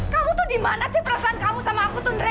kamu tuh dimana sih perasaan kamu sama aku tuh ndre